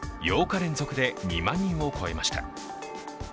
８日連続で２万人を超えました。